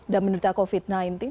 dan menderita covid sembilan belas